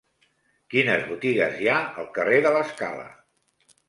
Quines botigues hi ha al carrer de l'Escala?